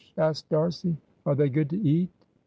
asked D'Arcy. "Are they good to eat?"